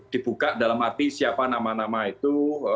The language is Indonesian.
dibuka dalam arti siapa nama nama itu